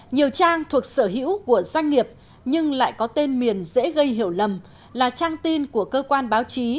nhiều trang thuộc sở hữu của doanh nghiệp nhưng lại có tên miền dễ gây hiểu lầm là trang tin của cơ quan báo chí